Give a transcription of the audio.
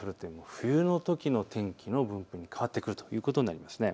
冬のときの天気の分布に変わってくるということになります。